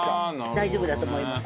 大丈夫だと思います。